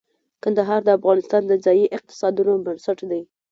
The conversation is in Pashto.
کندهار د افغانستان د ځایي اقتصادونو بنسټ دی.